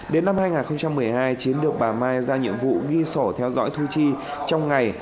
đến năm hai nghìn một mươi hai chiến được bà mai ra nhiệm vụ ghi sổ theo dõi thu chi trong ngày